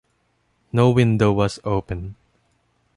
No window was open.